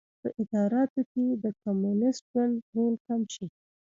په اداراتو کې د کمونېست ګوند رول کم شي.